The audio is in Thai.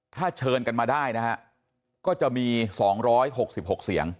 ถ้าเชิญกันมาได้นะฮะก็จะมีสองร้อยหกสิบหกเสียง